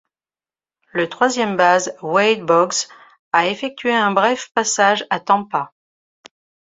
Le troisième base Wade Boggs a effectué un bref passage à Tampa.